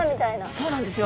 そうなんですよ。